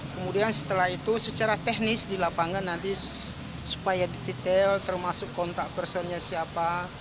kemudian setelah itu secara teknis di lapangan nanti supaya detail termasuk kontak personnya siapa